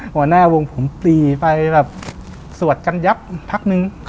หัวหน้าวงผมปรีไปแบบสวดกันยับพักนึง